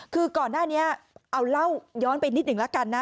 คือก่อนหน้านี้เอาเล่าย้อนไปนิดหนึ่งแล้วกันนะ